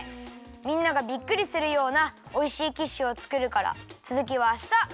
みんながびっくりするようなおいしいキッシュをつくるからつづきはあした！